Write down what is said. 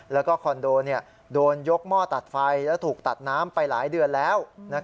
แล้วก็คอนโดโดนยกหม้อตัดไฟและถูกตัดน้ำไปหลายเดือนแล้ว